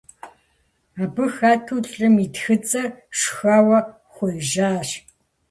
Абы хэту лӀым и тхыцӀэр шхэуэ хуежьащ.